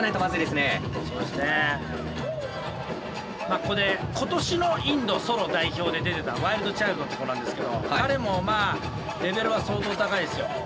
ここで今年のインドソロ代表で出てたワイルドチャイルドって子なんですけど彼もまあレベルは相当高いですよ。